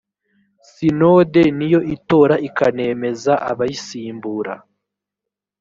sinode niyo itora ikanemeza abayisimbura